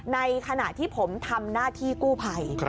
ในขณะที่ผมทำหน้าที่กู้ภัย